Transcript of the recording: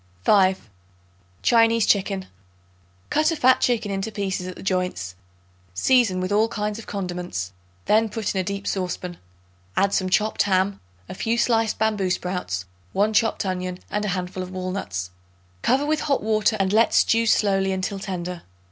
5. Chinese Chicken. Cut a fat chicken into pieces at the joints; season with all kinds of condiments; then put in a deep saucepan. Add some chopped ham, a few sliced bamboo sprouts, 1 chopped onion and a handful of walnuts. Cover with hot water and let stew slowly until tender.